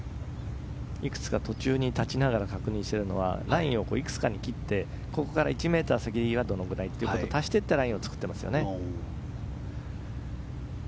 いくつか途中で立ちながら確認しているのはラインをいくつかに切ってここから１ｍ先にどれくらいって足していったラインを作っていますね。